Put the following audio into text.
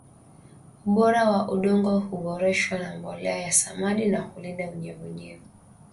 ubora wa udongo huboreshwa na mbolea ya samadi na hulinda unyevu unyevu